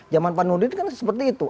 zaman pak nurdin kan seperti itu